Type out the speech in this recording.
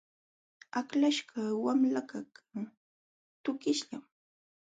Aklaśhqa wamlakaq tukishllam.